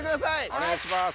お願いします。